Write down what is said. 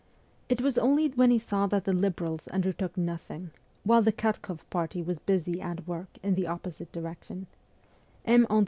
It was only when he saw that the Liberals undertook nothing, while the Katkoff party was busy at work in the opposite direction M.